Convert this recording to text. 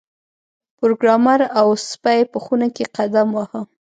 پروګرامر او سپی په خونه کې قدم واهه